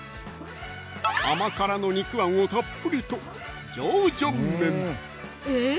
甘辛の肉あんをたっぷりとえーっ！